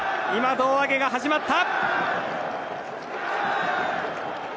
胴上げが始まった。